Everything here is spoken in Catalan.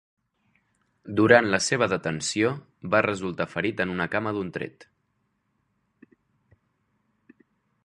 Durant la seva detenció va resultar ferit en una cama d'un tret.